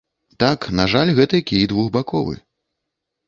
Так, на жаль, гэты кій двухбаковы.